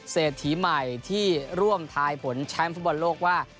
เศรษฐีใหม่ที่ร่วมทายผลแชมป์ฟุตบอลโลกว่า